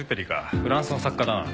フランスの作家だな。